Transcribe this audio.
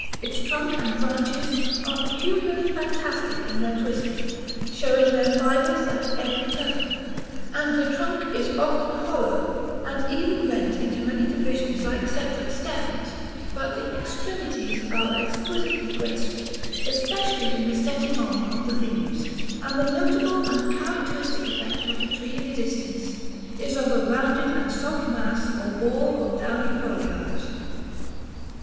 Its trunk and branches are peculiarly fantastic in their twisting, showing their fibres at every turn; and the trunk is often hollow, and even rent into many divisions like separate stems, but the extremities are exquisitely graceful, especially in the setting on of the leaves; and the notable and characteristic effect of the tree in the distance is of a rounded and soft mass or ball of downy foliage.